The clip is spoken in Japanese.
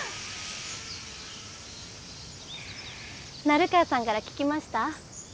成川さんから聞きました？